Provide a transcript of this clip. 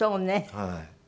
はい。